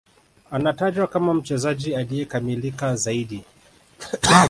Anatajwa kama mchezaji aliyekamilika zaidi